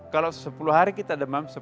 kalau sepuluh hari kita demam